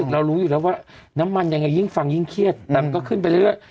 เรารู้อยู่แล้วว่าน้ำมันยังไงยิ่งฟังยิ่งเครียดแต่มันก็ขึ้นไปเรื่อย